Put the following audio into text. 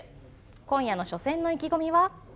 今夜の初戦の意気込みは？